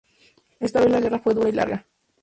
Esta vez la guerra fue dura y larga.